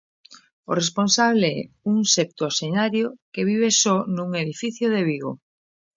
O responsable un septuaxenario que vive só nun edificio de Vigo.